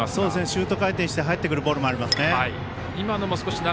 シュート回転して入ってくるボールもありますね。